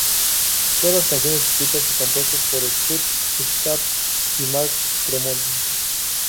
Todas las canciones escritas y compuestas por Scott Stapp y Mark Tremonti.